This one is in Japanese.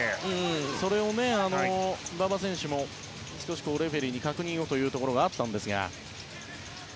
それを馬場選手も少し、レフェリーに確認をというところがありました。